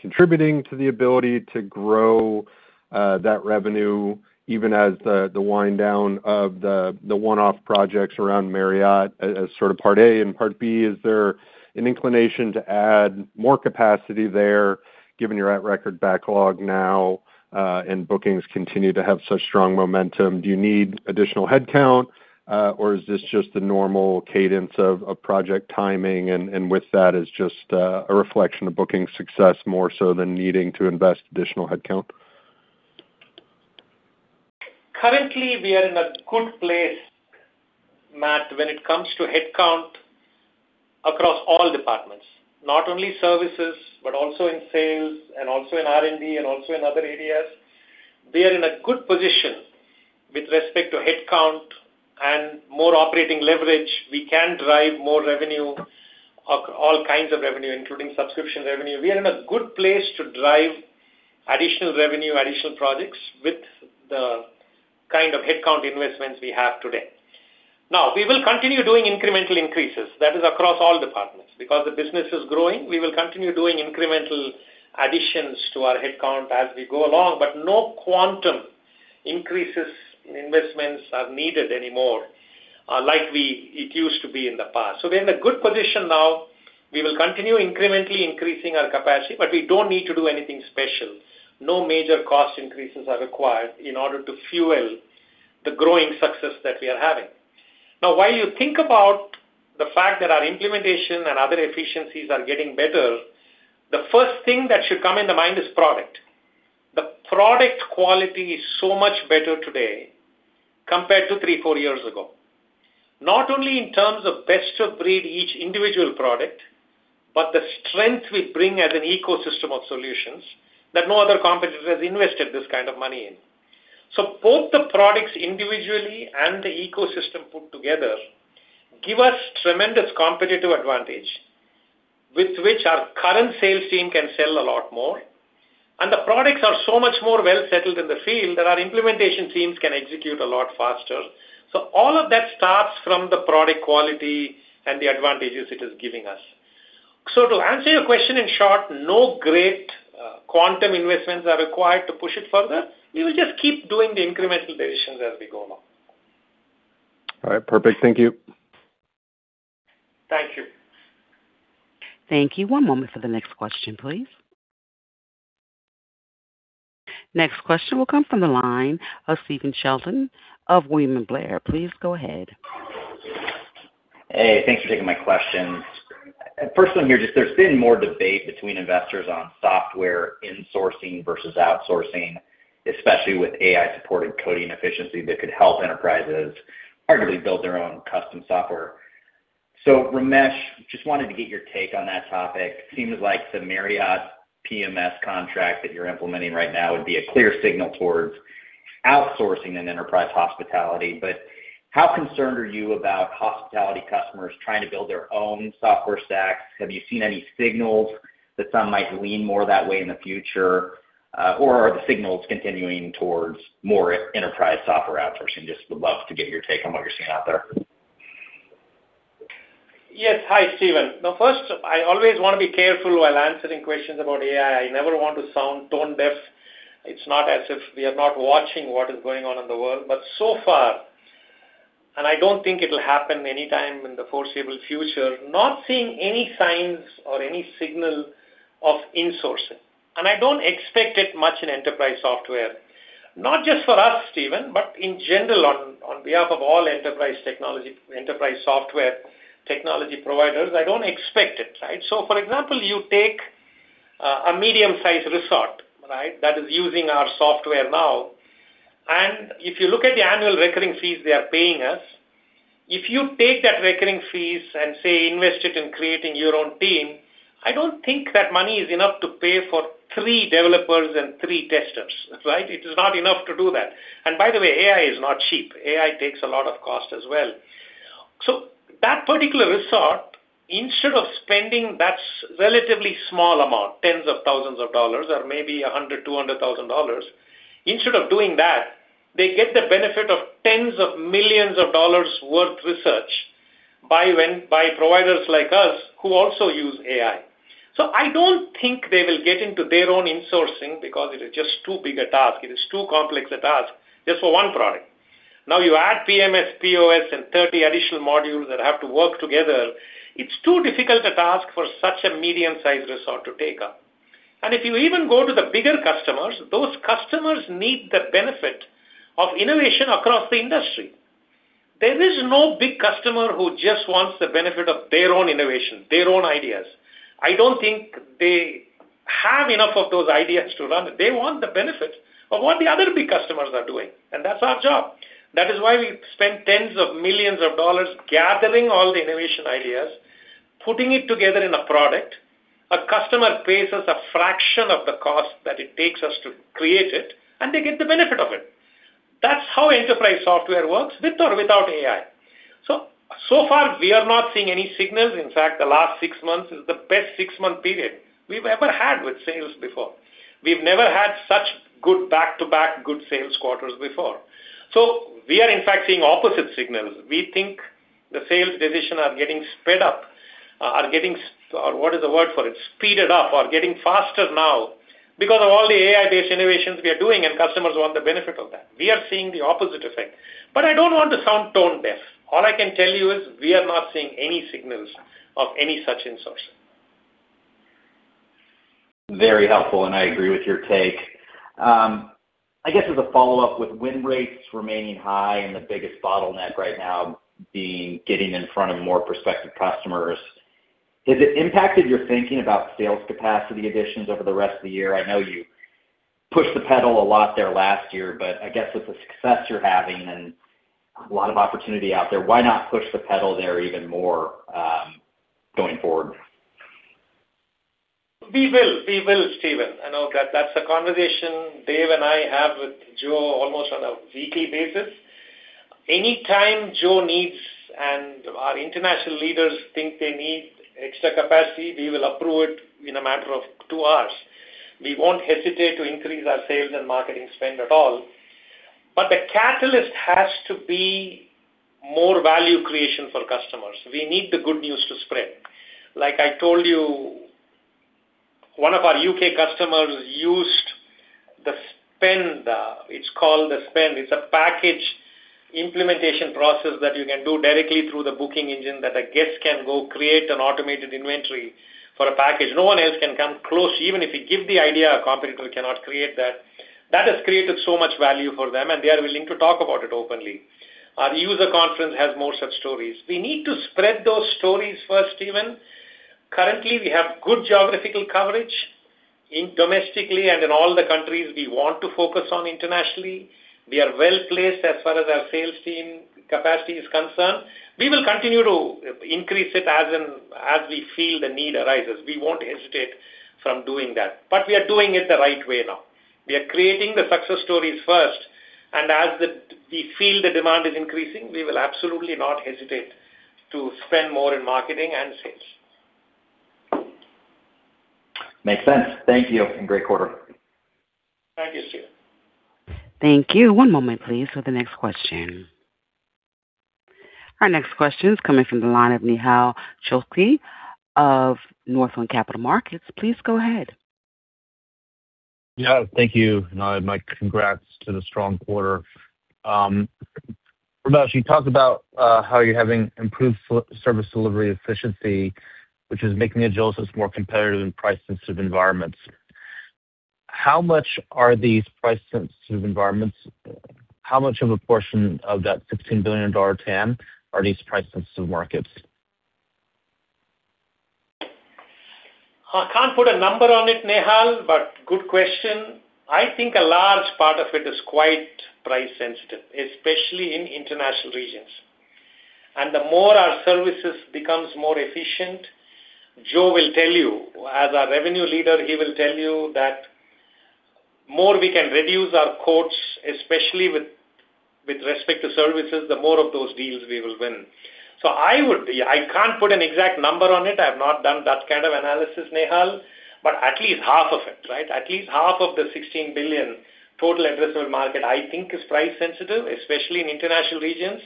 contributing to the ability to grow that revenue even as the wind-down of the one-off projects around Marriott as sort of part A and part B, is there an inclination to add more capacity there given you're at record backlog now, and bookings continue to have such strong momentum. Do you need additional headcount, or is this just the normal cadence of project timing and with that is just a reflection of booking success more so than needing to invest additional headcount? Currently, we are in a good place, Matt, when it comes to headcount across all departments. Not only services, but also in sales and also in R&D and also in other areas. We are in a good position with respect to headcount and more operating leverage. We can drive more revenue, all kinds of revenue, including subscription revenue. We are in a good place to drive additional revenue, additional projects with the kind of headcount investments we have today. We will continue doing incremental increases. That is across all departments. Because the business is growing, we will continue doing incremental additions to our headcount as we go along, but no quantum increases in investments are needed anymore, unlike it used to be in the past. We're in a good position now. We will continue incrementally increasing our capacity, but we don't need to do anything special. No major cost increases are required in order to fuel the growing success that we are having. While you think about the fact that our implementation and other efficiencies are getting better, the first thing that should come in the mind is product. The product quality is so much better today compared to three, four years ago, not only in terms of best of breed each individual product, but the strength we bring as an ecosystem of solutions that no other competitor has invested this kind of money in. Both the products individually and the ecosystem put together give us tremendous competitive advantage with which our current sales team can sell a lot more, and the products are so much more well-settled in the field that our implementation teams can execute a lot faster. All of that starts from the product quality and the advantages it is giving us. To answer your question, in short, no great quantum investments are required to push it further. We will just keep doing the incremental additions as we go along. All right. Perfect. Thank you. Thank you. Thank you. One moment for the next question, please. Next question will come from the line of Stephen Sheldon of William Blair. Please go ahead. Hey, thanks for taking my questions. First one here, there's been more debate between investors on software insourcing versus outsourcing, especially with AI-supported coding efficiency that could help enterprises arguably build their own custom software. Ramesh, just wanted to get your take on that topic. Seems like the Marriott PMS contract that you're implementing right now would be a clear signal towards outsourcing in enterprise hospitality. How concerned are you about hospitality customers trying to build their own software stacks? Have you seen any signals that some might lean more that way in the future? Are the signals continuing towards more enterprise software outsourcing? Just would love to get your take on what you're seeing out there. Yes. Hi, Stephen. First, I always want to be careful while answering questions about AI. I never want to sound tone-deaf. It's not as if we are not watching what is going on in the world. So far, I don't think it'll happen anytime in the foreseeable future, not seeing any signs or any signal of insourcing. I don't expect it much in enterprise software, not just for us, Stephen, but in general, on behalf of all enterprise software technology providers, I don't expect it. For example, you take a medium-sized resort, that is using our software now, if you look at the annual recurring fees they are paying us, if you take that recurring fees and, say, invest it in creating your own team, I don't think that money is enough to pay for three developers and three testers, right? It is not enough to do that. By the way, AI is not cheap. AI takes a lot of cost as well. That particular resort, instead of spending that relatively small amount, tens of thousands of dollars or maybe $100,000, $200,000, instead of doing that, they get the benefit of tens of millions of dollars' worth research by providers like us who also use AI. I don't think they will get into their own insourcing because it is just too bigger task, it is too complex task just for one product. You add PMS, POS, and 30 additional modules that have to work together, it's too difficult a task for such a medium-sized resort to take up. If you even go to the bigger customers, those customers need the benefit of innovation across the industry. There is no big customer who just wants the benefit of their own innovation, their own ideas. I don't think they have enough of those ideas to run. They want the benefit of what the other big customers are doing, and that's our job. That is why we spend tens of millions of dollars gathering all the innovation ideas, putting it together in a product. A customer pays us a fraction of the cost that it takes us to create it, and they get the benefit of it. That's how enterprise software works with or without AI. So far, we are not seeing any signals. In fact, the last six months is the best six-month period we've ever had with sales before. We've never had such good back-to-back good sales quarters before. We are in fact seeing opposite signals. We think the sales division are getting sped up, or what is the word for it? Speeded up or getting faster now because of all the AI-based innovations we are doing, customers want the benefit of that. We are seeing the opposite effect, I don't want to sound tone deaf. All I can tell you is we are not seeing any signals of any such insourcing. Very helpful, I agree with your take. I guess as a follow-up with win rates remaining high and the biggest bottleneck right now being getting in front of more prospective customers, has it impacted your thinking about sales capacity additions over the rest of the year? I know you pushed the pedal a lot there last year, I guess with the success you're having and a lot of opportunity out there, why not push the pedal there even more, going forward? We will, Stephen. I know that's a conversation Dave and I have with Joe almost on a weekly basis. Anytime Joe needs and our international leaders think they need extra capacity, we will approve it in a matter of two hours. We won't hesitate to increase our sales and marketing spend at all, the catalyst has to be more value creation for customers. We need the good news to spread. Like I told you, one of our U.K. customers used the S.P.E.N.D. It's called the S.P.E.N.D. It's a package implementation process that you can do directly through the booking engine that a guest can go create an automated inventory for a package. No one else can come close. Even if you give the idea, a competitor cannot create that. That has created so much value for them, they are willing to talk about it openly. Our user conference has more such stories. We need to spread those stories first, Stephen. Currently, we have good geographical coverage domestically and in all the countries we want to focus on internationally. We are well-placed as far as our sales team capacity is concerned. We will continue to increase it as we feel the need arises. We won't hesitate from doing that, but we are doing it the right way now. We are creating the success stories first, and as we feel the demand is increasing, we will absolutely not hesitate to spend more in marketing and sales. Makes sense. Thank you. Great quarter. Thank you, Stephen. Thank you. One moment please for the next question. Our next question is coming from the line of Nehal Chokshi of Northland Capital Markets. Please go ahead. Thank you. My congrats to the strong quarter. Ramesh, you talked about how you're having improved service delivery efficiency, which is making Agilysys more competitive in price-sensitive environments. How much are these price-sensitive environments, how much of a portion of that $16 billion TAM are these price-sensitive markets? I can't put a number on it, Nehal, good question. I think a large part of it is quite price sensitive, especially in international regions. The more our services becomes more efficient, Joe will tell you, as our revenue leader, he will tell you that more we can reduce our quotes, especially with respect to services, the more of those deals we will win. I can't put an exact number on it. I've not done that kind of analysis, Nehal, but at least half of it, right? At least half of the $16 billion total addressable market, I think, is price sensitive, especially in international regions.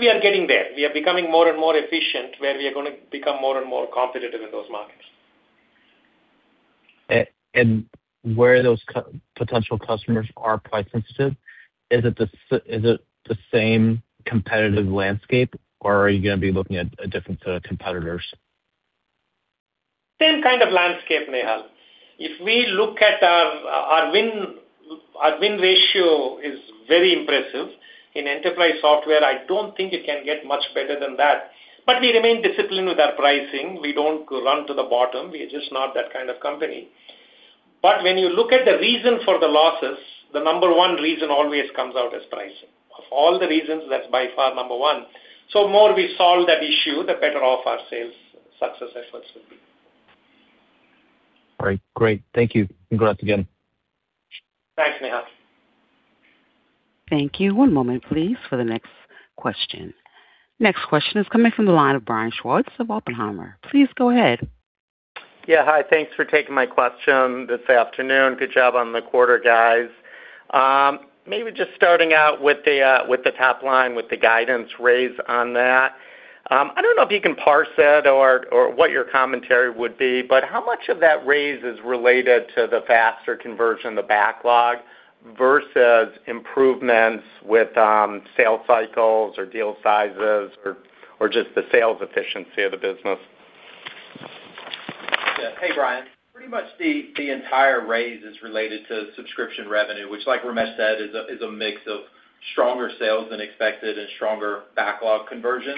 We are getting there. We are becoming more and more efficient, where we are going to become more and more competitive in those markets. Where those potential customers are price sensitive, is it the same competitive landscape, or are you going to be looking at a different set of competitors? Same kind of landscape, Nehal. If we look at our win ratio is very impressive. In enterprise software, I don't think it can get much better than that. We remain disciplined with our pricing. We don't run to the bottom. We're just not that kind of company. When you look at the reason for the losses, the number one reason always comes out as pricing. Of all the reasons, that's by far number one. More we solve that issue, the better off our sales success efforts will be. All right, great. Thank you. Congrats again. Thanks, Nehal. Thank you. One moment please for the next question. Next question is coming from the line of Brian Schwartz of Oppenheimer. Please go ahead. Yeah. Hi. Thanks for taking my question this afternoon. Good job on the quarter, guys. Maybe just starting out with the top line, with the guidance raise on that. I don't know if you can parse it or what your commentary would be, but how much of that raise is related to the faster conversion, the backlog, versus improvements with sales cycles or deal sizes or just the sales efficiency of the business? Yeah. Hey, Brian. Pretty much the entire raise is related to subscription revenue, which like Ramesh said, is a mix of stronger sales than expected and stronger backlog conversion.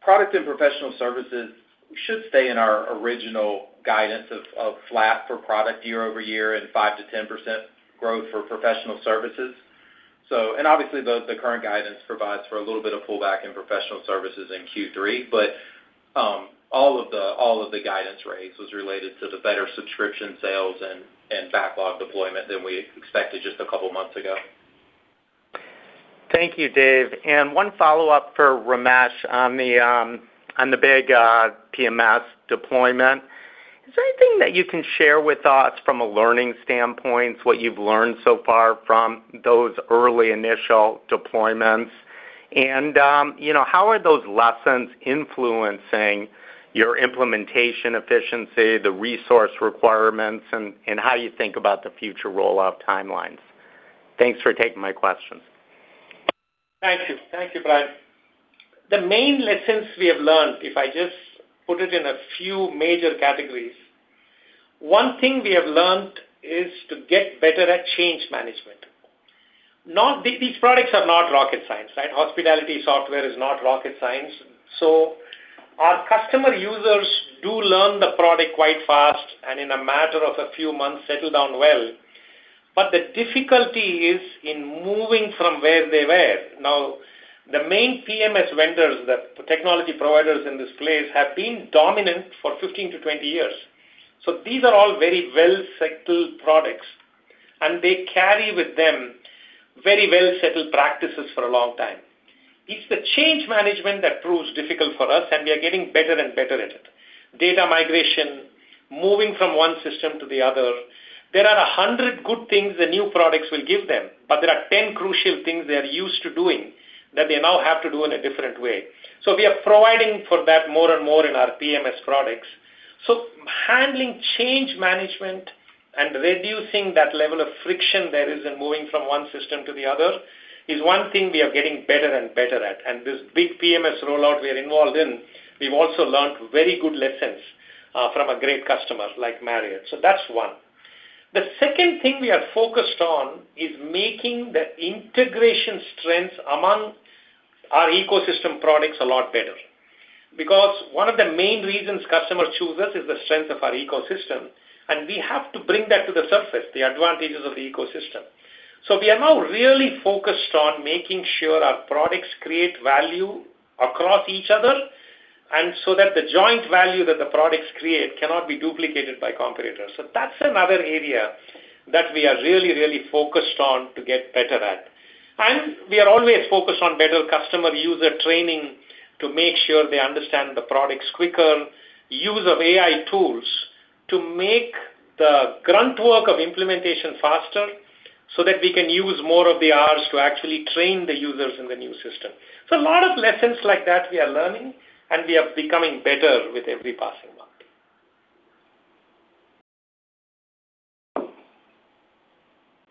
Product and professional services should stay in our original guidance of flat for product year-over-year and 5%-10% growth for professional services. Obviously, the current guidance provides for a little bit of pullback in professional services in Q3. All of the guidance raise was related to the better subscription sales and backlog deployment than we expected just a couple of months ago. Thank you, Dave. One follow-up for Ramesh on the big PMS deployment. Is there anything that you can share with us from a learning standpoint, what you've learned so far from those early initial deployments? How are those lessons influencing your implementation efficiency, the resource requirements, and how you think about the future rollout timelines? Thanks for taking my questions. Thank you, Brian. The main lessons we have learned, if I just put it in a few major categories, one thing we have learned is to get better at change management. These products are not rocket science, right? Hospitality software is not rocket science. Our customer users do learn the product quite fast and in a matter of a few months, settle down well. The difficulty is in moving from where they were. Now, the main PMS vendors, the technology providers in this place, have been dominant for 15-20 years. These are all very well-settled products, and they carry with them very well-settled practices for a long time. It's the change management that proves difficult for us, and we are getting better and better at it. Data migration, moving from one system to the other. There are 100 good things the new products will give them, but there are 10 crucial things they are used to doing that they now have to do in a different way. We are providing for that more and more in our PMS products. Handling change management and reducing that level of friction there is in moving from one system to the other is one thing we are getting better and better at. This big PMS rollout we are involved in, we've also learned very good lessons from a great customer like Marriott. That's one. The second thing we are focused on is making the integration strengths among our ecosystem products a lot better. One of the main reasons customers choose us is the strength of our ecosystem, and we have to bring that to the surface, the advantages of the ecosystem. We are now really focused on making sure our products create value across each other, so that the joint value that the products create cannot be duplicated by competitors. That's another area that we are really, really focused on to get better at. We are always focused on better customer user training to make sure they understand the products quicker, use of AI tools to make the grunt work of implementation faster so that we can use more of the hours to actually train the users in the new system. A lot of lessons like that we are learning, and we are becoming better with every passing month.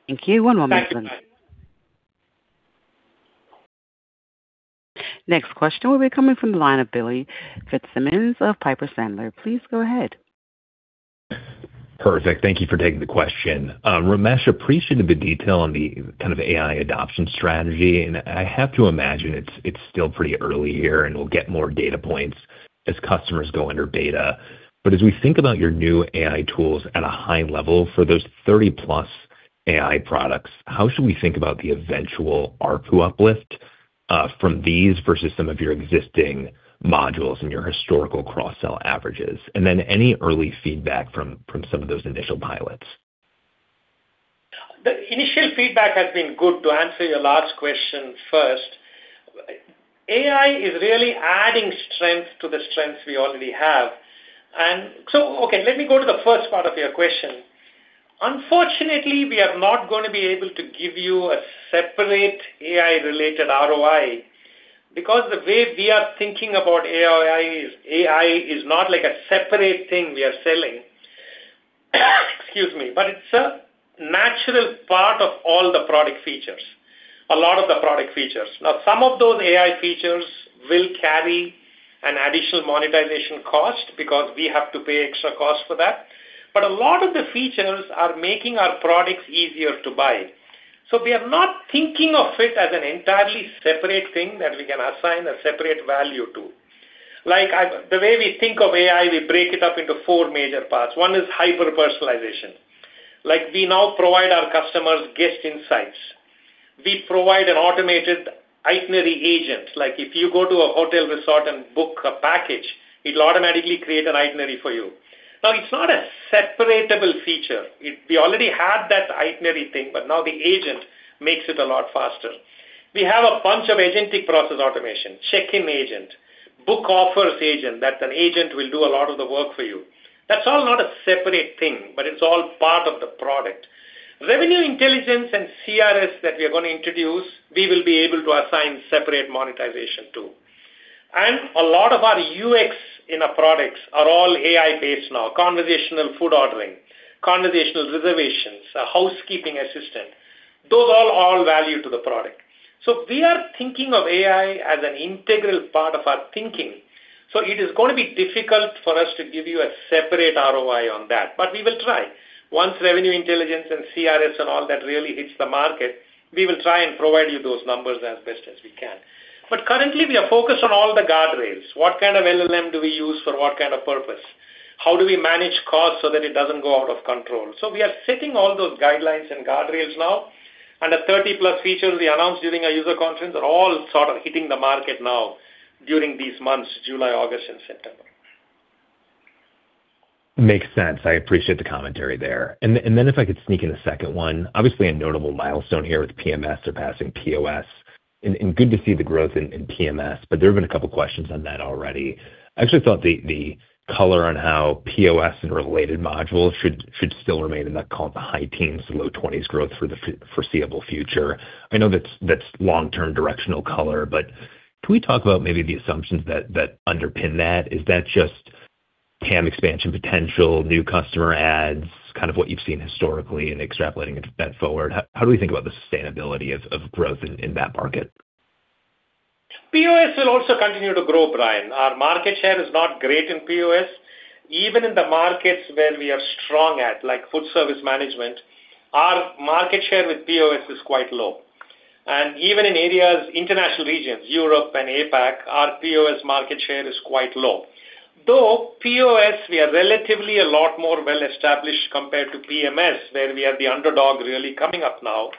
Thank you. One moment, please. Next question will be coming from the line of Billy Fitzsimmons of Piper Sandler. Please go ahead. Perfect. Thank you for taking the question. Ramesh, appreciate the detail on the kind of AI adoption strategy. I have to imagine it's still pretty early here, and we'll get more data points as customers go under beta. As we think about your new AI tools at a high level for those 30+ AI products, how should we think about the eventual ARPU uplift from these versus some of your existing modules and your historical cross-sell averages? Then any early feedback from some of those initial pilots. The initial feedback has been good, to answer your last question first. AI is really adding strength to the strengths we already have. Okay, let me go to the first part of your question. Unfortunately, we are not going to be able to give you a separate AI-related ROI, because the way we are thinking about AI is not like a separate thing we are selling. Excuse me. It's a natural part of all the product features. A lot of the product features. Now, some of those AI features will carry an additional monetization cost because we have to pay extra costs for that. A lot of the features are making our products easier to buy. We are not thinking of it as an entirely separate thing that we can assign a separate value to. Like, the way we think of AI, we break it up into four major parts. One is hyper-personalization. Like, we now provide our customers guest insights. We provide an automated itinerary agent. Like, if you go to a hotel resort and book a package, it'll automatically create an itinerary for you. Now, it's not a separatable feature. We already had that itinerary thing, but now the agent makes it a lot faster. We have a bunch of agentic process automation, check-in agent, book offers agent. That's an agent will do a lot of the work for you. That's all not a separate thing, but it's all part of the product. Revenue Intelligence and CRS that we are going to introduce, we will be able to assign separate monetization to. A lot of our UX in our products are all AI-based now, conversational food ordering, conversational reservations, a housekeeping assistant. Those all add value to the product. We are thinking of AI as an integral part of our thinking. It is going to be difficult for us to give you a separate ROI on that, but we will try. Once Revenue Intelligence and CRS and all that really hits the market, we will try and provide you those numbers as best as we can. Currently, we are focused on all the guardrails. What kind of LLM do we use for what kind of purpose? How do we manage costs so that it doesn't go out of control? We are setting all those guidelines and guardrails now, and the 30+ features we announced during our user conference are all sort of hitting the market now during these months, July, August, and September. Makes sense. I appreciate the commentary there. If I could sneak in a second one, obviously a notable milestone here with PMS surpassing POS. Good to see the growth in PMS, but there have been a couple of questions on that already. I actually thought the color on how POS and related modules should still remain in that high teens to low 20s growth for the foreseeable future. I know that's long-term directional color, but can we talk about maybe the assumptions that underpin that? Is that just TAM expansion potential, new customer adds, kind of what you've seen historically and extrapolating that forward? How do we think about the sustainability of growth in that market? POS will also continue to grow, Billy. Our market share is not great in POS, even in the markets where we are strong at, like food service management, our market share with POS is quite low. Even in areas, international regions, Europe and APAC, our POS market share is quite low. POS, we are relatively a lot more well-established compared to PMS, where we are the underdog really coming up now.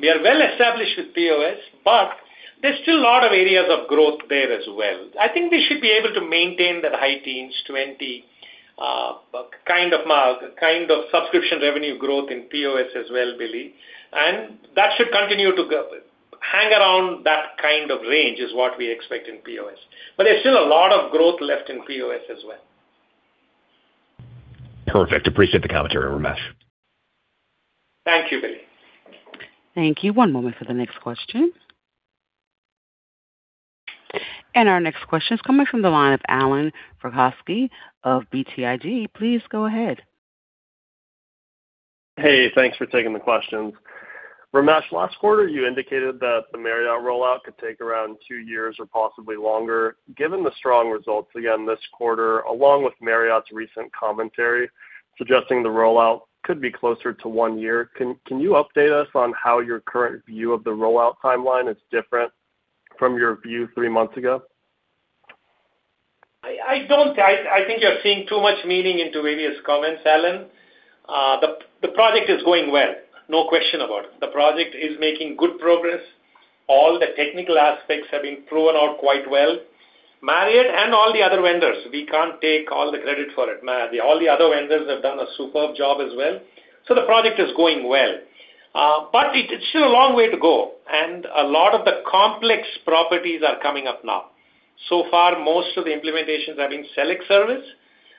We are well-established with POS, but there's still a lot of areas of growth there as well. I think we should be able to maintain that high teens, 20, kind of subscription revenue growth in POS as well, Billy. That should continue to hang around that kind of range, is what we expect in POS. There's still a lot of growth left in POS as well. Perfect. Appreciate the commentary, Ramesh. Thank you, Billy. Thank you. One moment for the next question. Our next question is coming from the line of Allan Verkhovski of BTIG. Please go ahead. Hey, thanks for taking the questions. Ramesh, last quarter you indicated that the Marriott rollout could take around two years or possibly longer. Given the strong results again this quarter, along with Marriott's recent commentary suggesting the rollout could be closer to one year, can you update us on how your current view of the rollout timeline is different from your view three months ago? I think you're seeing too much meaning into various comments, Allan. The project is going well, no question about it. The project is making good progress. All the technical aspects have been proven out quite well. Marriott and all the other vendors. We can't take all the credit for it. All the other vendors have done a superb job as well. The project is going well. It's still a long way to go, and a lot of the complex properties are coming up now. Far, most of the implementations have been select service,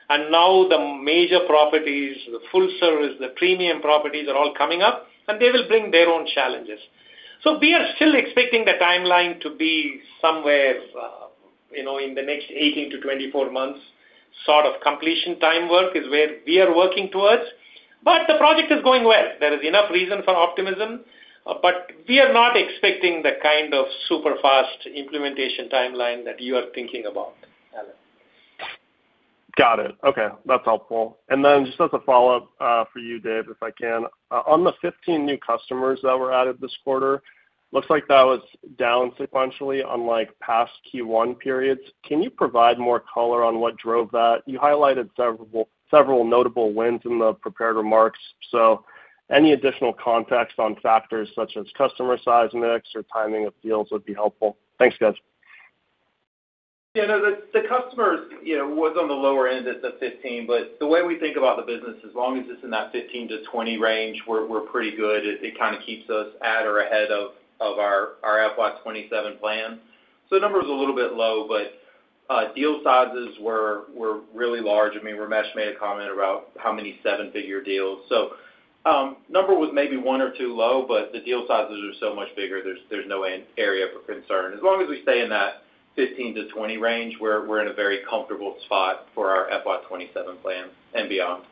and now the major properties, the full service, the premium properties, are all coming up, and they will bring their own challenges. We are still expecting the timeline to be somewhere in the next 18-24 months, sort of completion time work is where we are working towards. The project is going well. There is enough reason for optimism, but we are not expecting the kind of super fast implementation timeline that you are thinking about, Allan. Got it. Okay, that's helpful. Just as a follow-up for you, Dave, if I can. On the 15 new customers that were added this quarter, looks like that was down sequentially on like past Q1 periods. Can you provide more color on what drove that? You highlighted several notable wins in the prepared remarks. Any additional context on factors such as customer size, mix, or timing of deals would be helpful. Thanks, guys. Yeah, no, the customers was on the lower end at the 15, but the way we think about the business, as long as it's in that 15-20 range, we're pretty good. It kind of keeps us at or ahead of our FY 2027 plan. The number is a little bit low, but deal sizes were really large. Ramesh made a comment about how many seven-figure deals. Number was maybe one or two low, but the deal sizes are so much bigger, there's no area for concern. As long as we stay in that 15-20 range, we're in a very comfortable spot for our FY 2027 plan and beyond.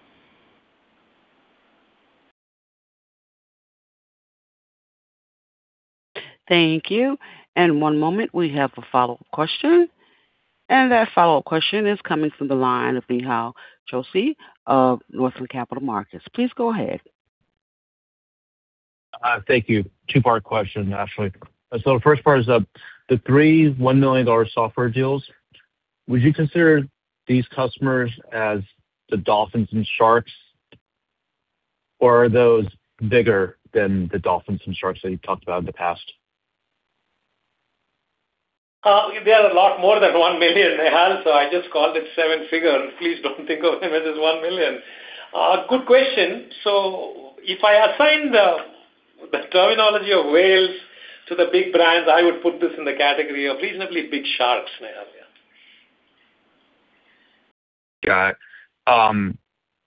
Thank you. One moment, we have a follow-up question. That follow-up question is coming from the line of Nehal Chokshi of Northland Capital Markets. Please go ahead. Thank you. Two-part question, actually. The first part is, the three $1 million software deals, would you consider these customers as the dolphins and sharks, or are those bigger than the dolphins and sharks that you've talked about in the past? They are a lot more than $1 million, Nehal, so I just called it seven figure. Please don't think of them as $1 million. Good question. If I assign the terminology of whales to the big brands, I would put this in the category of reasonably big sharks, Nehal, yeah. Got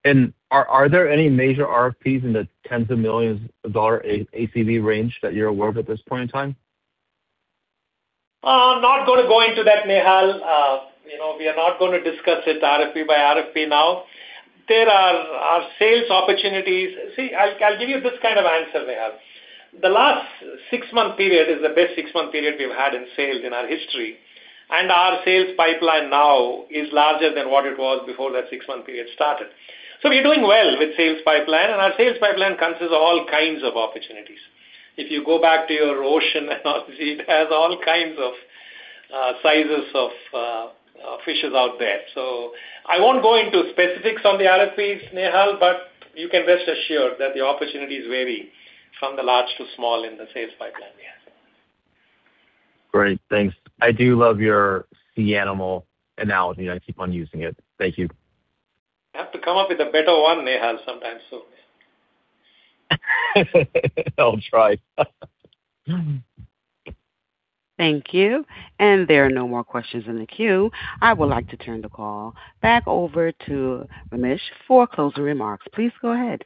it. Are there any major RFPs in the tens of millions of dollars ACV range that you're aware of at this point in time? I'm not going to go into that, Nehal. We are not going to discuss it RFP by RFP now. There are sales opportunities. See, I'll give you this kind of answer, Nehal. The last six-month period is the best six-month period we've had in sales in our history, and our sales pipeline now is larger than what it was before that six-month period started. We're doing well with sales pipeline, and our sales pipeline consists of all kinds of opportunities. If you go back to your ocean analogy, it has all kinds of sizes of fishes out there. I won't go into specifics on the RFPs, Nehal, but you can rest assured that the opportunities vary from the large to small in the sales pipeline, yeah. Great, thanks. I do love your sea animal analogy, I keep on using it. Thank you. I have to come up with a better one, Nehal, sometime soon. I'll try. Thank you. There are no more questions in the queue. I would like to turn the call back over to Ramesh for closing remarks. Please go ahead.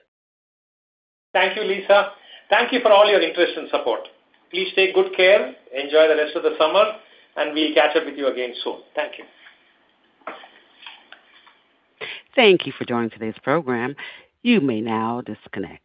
Thank you, Lisa. Thank you for all your interest and support. Please take good care, enjoy the rest of the summer, and we'll catch up with you again soon. Thank you. Thank you for joining today's program. You may now disconnect.